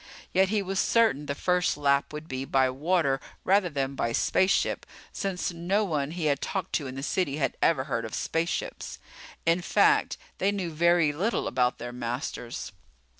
Yet he was certain the first lap would be by water rather than by spaceship, since no one he had talked to in the city had ever heard of spaceships. In fact, they knew very little about their masters.